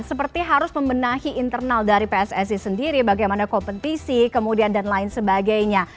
seperti harus membenahi internal dari pssi sendiri bagaimana kompetisi kemudian dan lain sebagainya